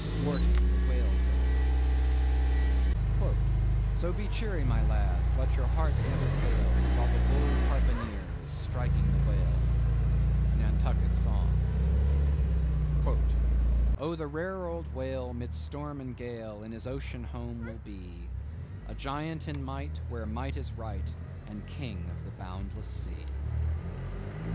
'" —Wharton the Whale Killer. "So be cheery, my lads, let your hearts never fail, While the bold harpooneer is striking the whale!" —Nantucket Song. "Oh, the rare old Whale, mid storm and gale In his ocean home will be A giant in might, where might is right, And King of the boundless sea."